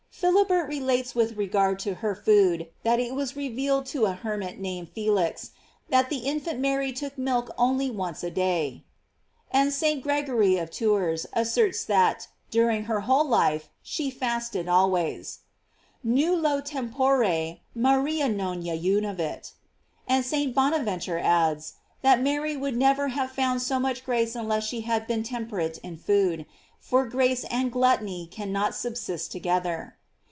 Philibert relates with regard to her food, that it was revealed to a hermit named Felix, that the infant Mary took milk only once a day. And St. Gregory of Tours asserts that, during her whole life, she fasted always: "Nul lo tempore Maria non jejunavit;" and St. Bona venture adds, that Mary would never have found so much grace unless she had been tem perate in food, for grace and gluttony can not subsist together.